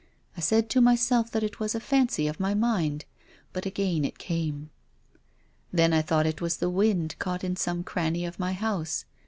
I said to myself that it was a fancy of my mind but again it came. Then I thought it was the wind caught in some cranny of my house.